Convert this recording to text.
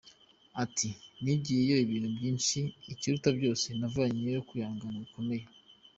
Ati “Nigiyeyo ibintu byinshi, ikiruta byose navanyeyo kwihangana gukomeye.